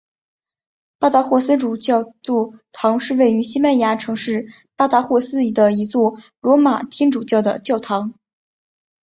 巴达霍斯主教座堂是位于西班牙城市巴达霍斯的一座罗马天主教的教堂。